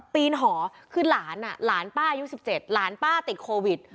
ปีนหอคือหลานหลานป้าอายุ๑๗หลานป้าติดโควิด